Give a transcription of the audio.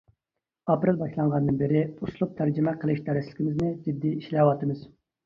ئاپرېل باشلانغاندىن بىرى، ئۇسلۇب تەرجىمە قىلىش دەرسلىكىمىزنى جىددىي ئىشلەۋاتىمىز.